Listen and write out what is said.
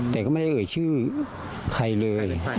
แต่ก็ไม่ได้เอ่ยชื่อใครเลย